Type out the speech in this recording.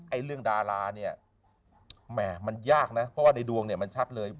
เรื่องดาราเนี่ยแหม่มันยากนะเพราะว่าในดวงเนี่ยมันชัดเลย